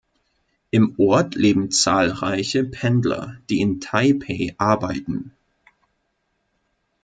Im Ort leben zahlreiche Pendler, die in Taipeh arbeiten.